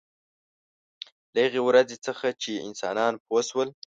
له هغې ورځې څخه چې انسانان پوه شول.